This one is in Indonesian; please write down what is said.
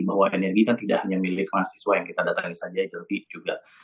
bahwa energi kan tidak hanya milik mahasiswa yang kita datangi saja tapi juga